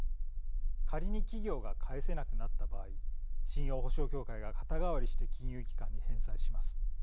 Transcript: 仮に企業が返せなくなった場合信用保証協会が肩代わりして金融機関に返済します。